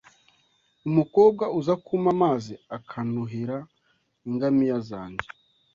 umukobwa uza kumpa amazi akanuhira ingamiya zanjye